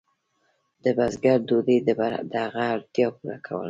د بزګر ډوډۍ د هغه اړتیا پوره کوله.